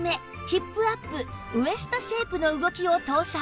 ヒップアップウエストシェイプの動きを搭載